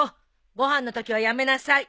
ご飯のときはやめなさい。